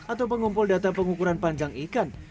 atau pengumpul data pengukuran panjang ikan